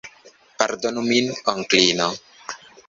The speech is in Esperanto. Pardonu min, Onklino.